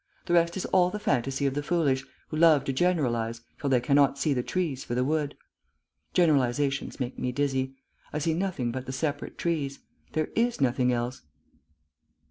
The rest is all the fantasy of the foolish, who love to generalise, till they cannot see the trees for the wood. Generalisations make me dizzy. I see nothing but the separate trees. There is nothing else...."